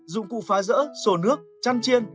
dụng cụ phá rỡ sổ nước chăn chiên